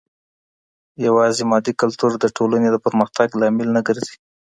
يوازي مادي کلتور د ټولني د پرمختګ لامل نه ګرځي.